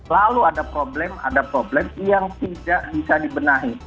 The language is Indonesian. lalu ada problem ada problem yang tidak bisa dibenahi